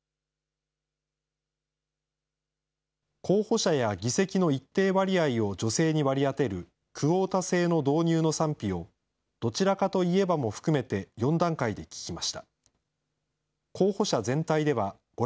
候補者や議席の一定割合を女性に割り当てるクオータ制の導入の賛否を、どちらかといえばも含めて４段階で聞きました。